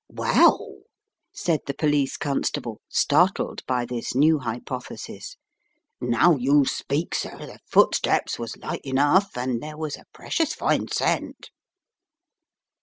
"Well!" said the police constable, startled by this new hypothesis. "Now you speak, sir — the footsteps was light enough and there was a precious fine scent."